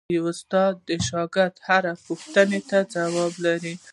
استاد د شاګرد د هرې پوښتنې ځواب لري.